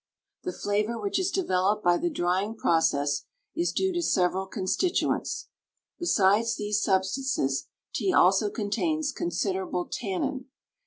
The flavor which is developed by the drying process is due to several constituents. Besides these substances tea also contains considerable tannin.